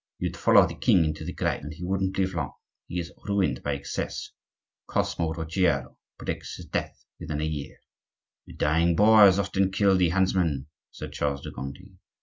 "You'd follow the king into the grave, and he won't live long; he is ruined by excesses. Cosmo Ruggiero predicts his death within a year." "The dying boar has often killed the huntsman," said Charles de Gondi.